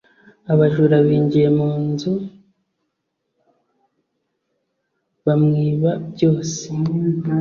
Abajura binjiye mu inzu bamwiba byose